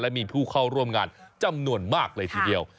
มีผู้เข้าร่วมงานจำนวนมากเลยทีเดียว